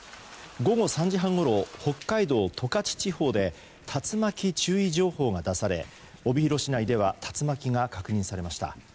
午後３時半ごろ北海道十勝地方で竜巻注意情報が出され帯広市内では竜巻が確認されました。